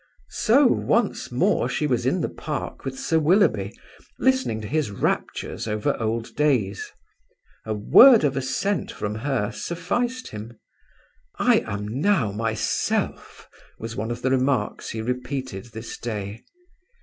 So once more she was in the park with Sir Willoughby, listening to his raptures over old days. A word of assent from her sufficed him. "I am now myself," was one of the remarks he repeated this day.